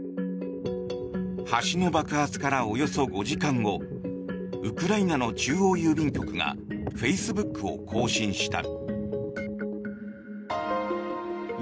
橋の爆発から、およそ５時間後ウクライナの中央郵便局がフェイスブックを更新した。